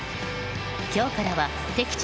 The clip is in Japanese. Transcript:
今日からは敵地